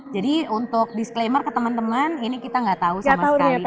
jadi untuk disclaimer ke teman teman ini kita nggak tahu sama sekali